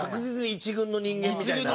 一軍の人間。